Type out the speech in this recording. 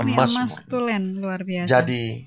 emas tulen luar biasa jadi